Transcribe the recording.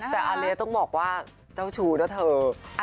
แต่อาเลต้องบอกว่าเจ้าชู้นะเธอ